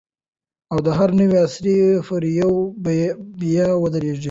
او د هر نوي عصر پر ور بیا ودرېږي